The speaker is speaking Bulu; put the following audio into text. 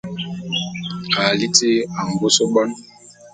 À liti angôs bone.